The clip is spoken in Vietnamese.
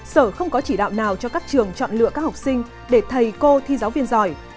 sở không có chỉ đạo nào cho các trường chọn lựa các học sinh để thầy cô thi giáo viên giỏi